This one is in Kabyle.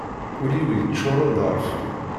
Ul-iw yeččuren d reffu.